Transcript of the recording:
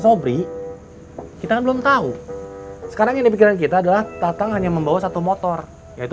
sobri kita belum tahu sekarang yang dipikirkan kita adalah tatang hanya membawa satu motor yaitu